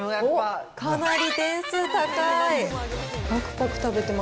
かなり点数高い。